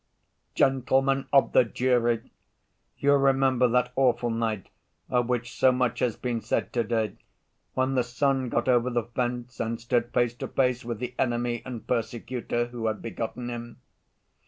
"Gentlemen of the jury, you remember that awful night of which so much has been said to‐day, when the son got over the fence and stood face to face with the enemy and persecutor who had begotten him.